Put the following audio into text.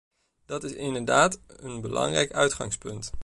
Dat is inderdaad een belangrijk uitgangspunt.